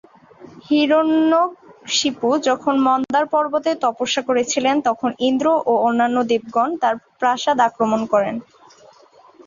হিরণ্যকশিপু যখন মন্দার পর্বতে তপস্যা করছিলেন, তখন ইন্দ্র ও অন্যান্য দেবগণ তার প্রাসাদ আক্রমণ করেন।